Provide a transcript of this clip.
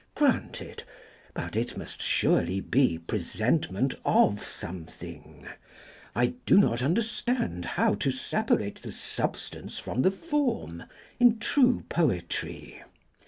Granted: but it must surely be presentment of something. ... I do not understand how to separate the substance from the form in true poetry.